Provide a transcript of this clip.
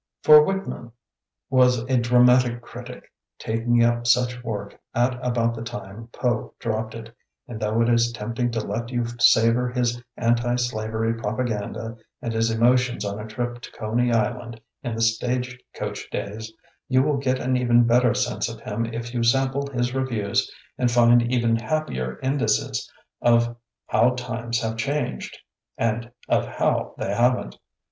For Whitman was a dramatic critic, taking up such work at about the time Poe dropped it, and though it is tempt ing to let you savor his anti slavery propaganda and his emotions on a trip to Coney Island in the stagecoach days, you will get an even better sense of him if you sample his reviews and find even happier indices of how times have changed — ^and of how they haven't.